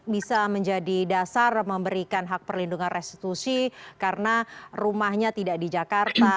bisa menjadi dasar memberikan hak perlindungan restitusi karena rumahnya tidak di jakarta